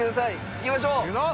いきましょう。